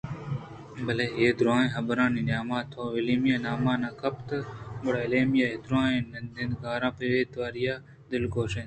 بلئے اے دُرٛاہیں حبرانی نیامءَ تو ایمیلیا ءِ نام نہ گپت ؟گڑا ایمیلیا اے دُرٛاہیں ندارگاں بے تواری ءَ دلگوش اَت